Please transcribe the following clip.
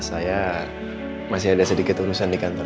saya masih ada sedikit urusan di kantor